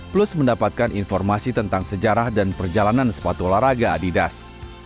plus mendapatkan informasi tentang sejarah dan perjalanan sepatu olahraga adidas